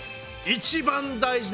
一番大事？